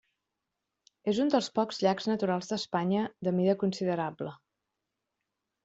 És un dels pocs llacs naturals d'Espanya de mida considerable.